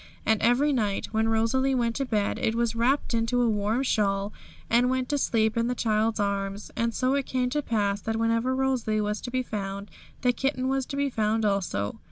And every night when Rosalie went to bed it was wrapped up in a warm shawl, and went to sleep in the child's arms. And so it came to pass that wherever Rosalie was to be found, the kitten was to be found also.